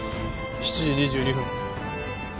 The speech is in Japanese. ７時２２分。